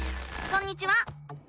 こんにちは。